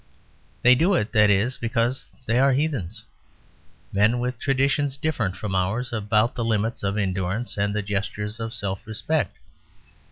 They do it, that is, because they are Heathens; men with traditions different from ours about the limits of endurance and the gestures of self respect.